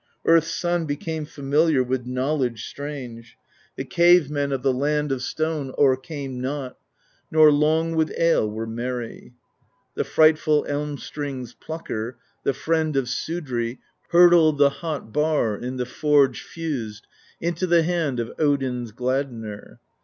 Earth's Son became familiar With knowledge strange; the cave men 128 PROSE EDDA Of the land of stone o'ercame not, Nor long with ale were merry: The frightful elm string's plucker, The friend of Sudri, hurtled The hot bar, in the forge fused, Into the hand of Odin's Gladdener.